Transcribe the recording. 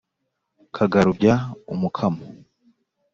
kagarubya umukamo